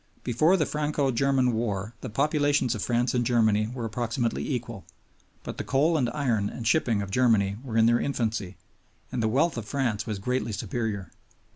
Before the Franco German war the populations of France and Germany were approximately equal; but the coal and iron and shipping of Germany were in their infancy, and the wealth of France was greatly superior.